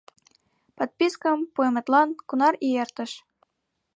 — Подпискым пуыметлан кунар ий эртыш?